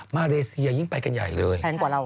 มาเลเซียยิ่งไปกันใหญ่เลย